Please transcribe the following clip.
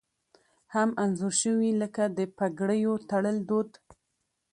هم انځور شوي لکه د پګړیو تړل دود